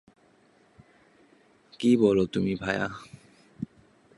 কী বল তুমি ভায়া।